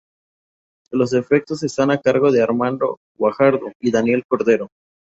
Los efectos están a cargo de Armando Guajardo y Daniel Cordero.